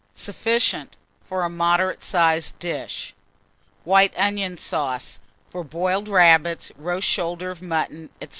Sufficient for a moderate sized dish. WHITE ONION SAUCE, for Boiled Rabbits, Roast Shoulder of Mutton, &c.